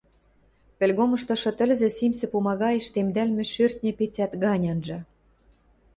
Пӹлгомыштышы тӹлзӹ симсӹ пумагаэш темдӓлмӹ шӧртньӹ пецӓт гань анжа.